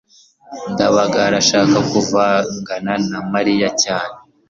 ndabaga arashaka kuvugana na mariya cyane